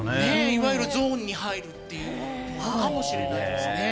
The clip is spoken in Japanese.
いわゆるゾーンに入るということかもしれないですね。